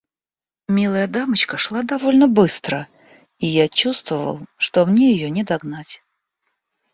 Милая дамочка шла довольно быстро, и я чувствовал, что мне ее не догнать.